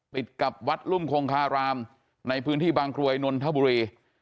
ติดกับวัดรุ่มคงคารามในพื้นที่บางกรวยนนทบุรี